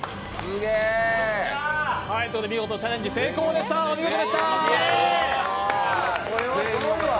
見事、チャレンジ成功でしたお見事でした。